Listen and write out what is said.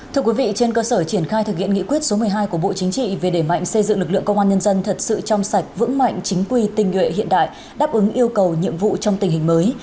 thưa quý vị trên cơ sở triển khai thực hiện nghị quyết số một mươi hai của bộ chính trị về đẩy mạnh xây dựng lực lượng công an nhân dân thật sự trong sạch vững mạnh chính quy tình nguyện hiện đại đáp ứng yêu cầu nhiệm vụ trong tình hình mới